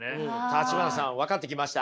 橘さん分かってきました？